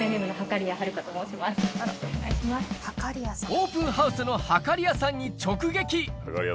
オープンハウスの計屋さんに直撃！